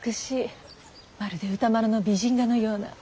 まるで歌麿の美人画のような。